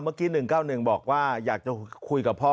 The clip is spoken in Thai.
เมื่อกี้๑๙๑บอกว่าอยากจะคุยกับพ่อ